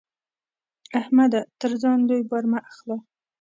احمده! تر ځان لوی بار مه اخله.